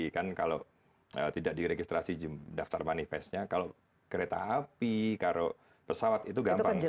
kan kalau tidak diregistrasi daftar manifestnya kalau kereta api kalau pesawat itu gampang